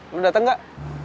lo dateng gak